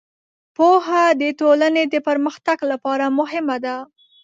پوهه د ټولنې د پرمختګ لپاره مهمه ده.